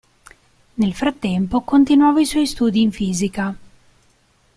Nel frattempo, continuava i suoi studi in Fisica.